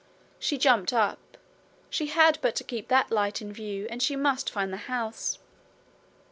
She jumped up: she had but to keep that light in view and she must find the house.